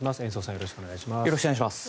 よろしくお願いします。